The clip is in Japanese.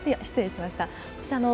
失礼しました。